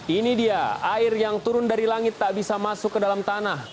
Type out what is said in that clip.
ini dia air yang turun dari langit tak bisa masuk ke dalam tanah